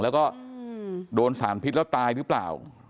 แล้วก็โดนสารพิษแล้วตายหรือเปล่า